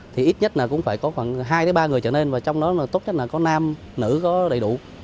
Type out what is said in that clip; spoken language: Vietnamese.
thì ít nhất là cũng phải có khoảng hai ba người trở nên và trong đó là tốt nhất là có nam nữ có đầy đủ